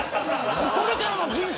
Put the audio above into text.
これからの人生